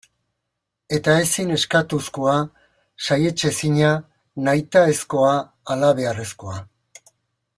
Eta ezin eskastuzkoa, saihetsezina, nahitaezkoa, halabeharrezkoa.